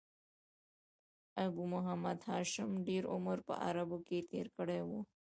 ابو محمد هاشم ډېر عمر په عربو کښي تېر کړی وو.